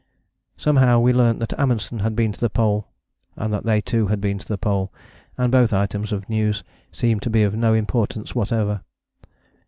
Somehow we learnt that Amundsen had been to the Pole, and that they too had been to the Pole, and both items of news seemed to be of no importance whatever.